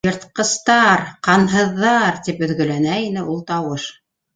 Йыртҡыстар, ҡанһыҙҙар! - тип өҙгәләнә ине ул тауыш.